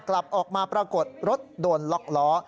กลับออกมาปรากฏรถโดนล็อกล้อ